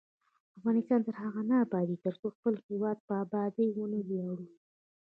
افغانستان تر هغو نه ابادیږي، ترڅو د خپل هیواد په ابادۍ ونه ویاړو.